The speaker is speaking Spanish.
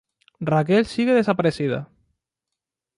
Raquel sigue desaparecida.